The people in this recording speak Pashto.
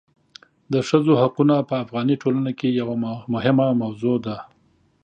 د ښځو حقونه په افغاني ټولنه کې یوه مهمه موضوع ده.